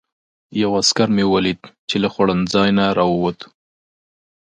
یو عسکر مې ولید چې له خوړنځای نه راووت.